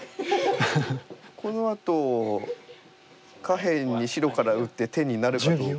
このあと下辺に白から打って手になるかどうか。